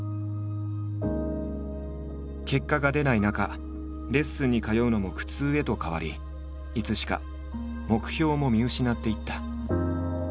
結果が出ない中レッスンに通うのも苦痛へと変わりいつしか目標も見失っていった。